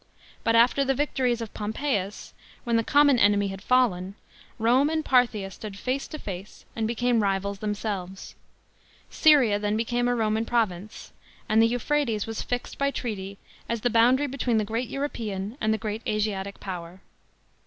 But after the victories of Pompeius, when the common enemy had fallen, Rome and Parthia stood face to face and became rivals themselves. Syria then became a Roman province, and the Euphrates was fixed by treaty as the boundary between the great European and the great Asiatic power.